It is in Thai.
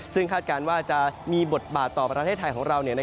ซึ่งคาดการณ์ว่าจะมีบทบาทต่อประเทศไทยของเรา